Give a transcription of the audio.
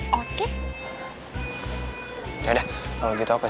hai dan yuk masuk dulu mic